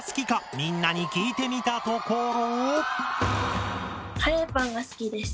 みんなに聞いてみたところ。